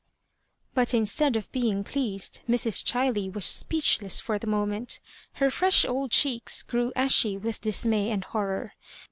But instead of being pleased, Mrs. Chiley was speechless for the moment. Her fresh old cheeks grew ashy with dismay and horror.